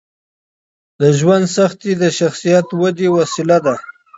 د ژوند سختۍ د شخصیت ودې وسیله ده.